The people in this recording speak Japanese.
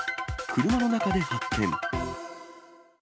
車の中で発見。